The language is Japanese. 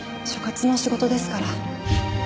所轄の仕事ですから。